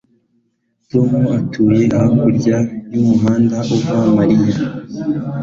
Tom atuye hakurya yumuhanda uva Mariya